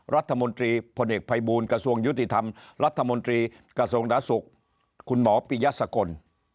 รัฐมนตรีพลเอกภัยบูลกระทรวงยุติธรรมรัฐมนตรีกระทรวงดาศุกร์คุณหมอปิยสกล